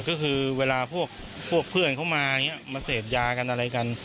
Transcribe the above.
ก็คือเวลาพวกเพื่อนเขามาอย่างนี้มาเสพยากันอะไรกัน